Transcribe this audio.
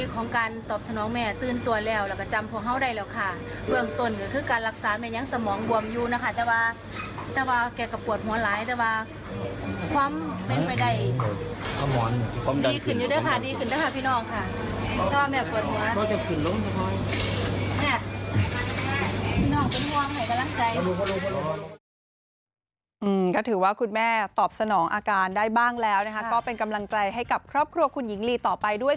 ก็ถือว่าคุณแม่ตอบสนองอาการได้บ้างแล้วนะคะก็เป็นกำลังใจให้กับครอบครัวคุณหญิงลีต่อไปด้วย